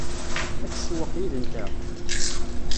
Ad tsewweq yid-nteɣ?